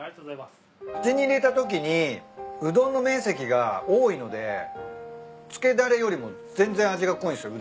口に入れたときにうどんの面積が多いのでつけだれよりも全然味が濃いんすよ。